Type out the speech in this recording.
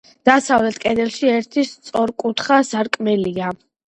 დასავლეთ კედელში ერთი სწორკუთხა სარკმელია.